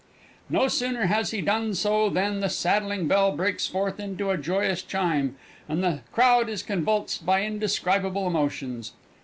No sooner has he done so than the saddling bell breaks forth into a joyous chime, and the crowd is convulsed by indescribable emotions.